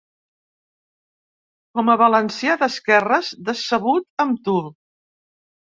Com a valencià d'esquerres, decebut amb tu.